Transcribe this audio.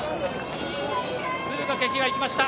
敦賀気比も行きました。